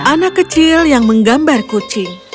anak kecil yang menggambar kucing